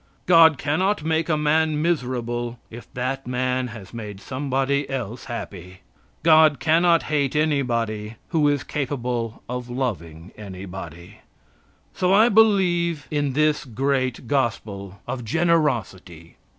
God cannot make a man miserable if that man has made somebody else happy. God cannot hate anybody who is capable of loving anybody. So I believe in this great gospel of generosity.